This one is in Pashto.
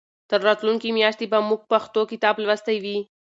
تر راتلونکې میاشتې به موږ پښتو کتاب لوستی وي.